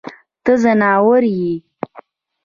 ته ځناور يې.